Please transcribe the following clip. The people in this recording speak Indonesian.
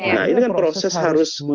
nah ini kan proses harus